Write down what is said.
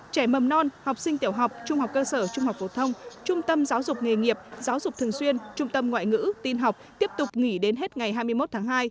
trẻ mầm non học sinh tiểu học trung học cơ sở trung học phổ thông trung tâm giáo dục nghề nghiệp giáo dục thường xuyên trung tâm ngoại ngữ tin học tiếp tục nghỉ đến hết ngày hai mươi một tháng hai